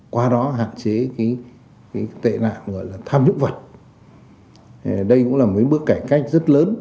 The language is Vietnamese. qua đó hạn chế tệ nạn gọi là tham nhũng vật